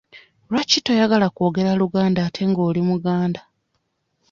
Lwaki toyagala kwogera Luganda ate nga oli muganda?